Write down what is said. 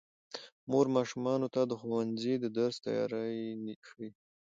مور ماشومانو ته د ښوونځي د درس تیاری ښيي